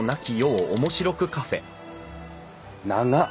長っ！